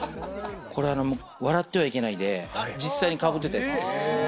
これは、笑ってはいけないで実際に被ってたやつです。